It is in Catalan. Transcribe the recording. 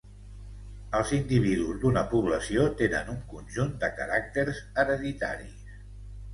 Els individus d'una població tenen un conjunt de caràcters hereditaris.